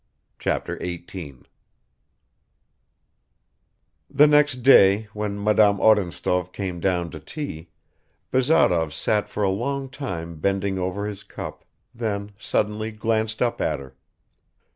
Chapter 18 THE NEXT DAY WHEN MADAME ODINTSOV CAME DOWN TO TEA, Bazarov sat for a long time bending over his cup, then suddenly glanced up at her